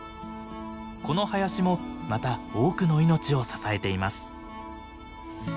この林もまた多くの命を支えています。